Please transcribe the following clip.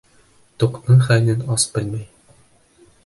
Туҡтың хәлен ас белмәй.